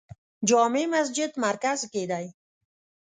جامع مسجد مرکز کې دی